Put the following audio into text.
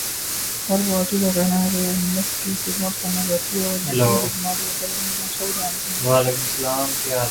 ہر party کا کہنا ہے کے وہ ملک کی خدمت کرنا چاہتی ہے اور جتنی خدمات وہ کرر ہی ہیں سب جانتے ہیں